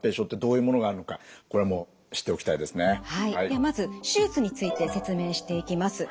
ではまず手術について説明していきます。